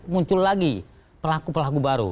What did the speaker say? muncul lagi pelaku pelaku baru